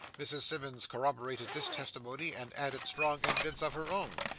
Mrs Simmons corroborated this testimony and added strong evidence of her own.